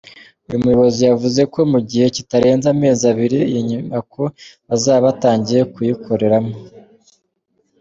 Uyu muyobozi yavuze ko mu gihe kitarenze amezi abiri iyi nyubako bazaba batangiye kuyikoreramo.